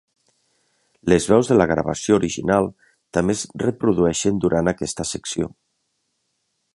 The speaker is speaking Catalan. Les veus de la gravació original també es reprodueixen durant aquesta secció.